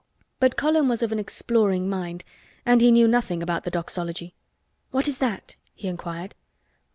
But Colin was of an exploring mind and he knew nothing about the Doxology. "What is that?" he inquired.